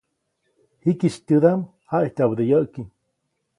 Jikisy tyädaʼm jaʼityabäde yäʼki.